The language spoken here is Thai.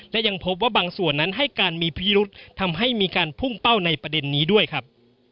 และยังพบว่าบางส่วนนั้นให้การมีพิรุษทำให้มีการพุ่งเป้าในประเด็นนี้ด้วยครับ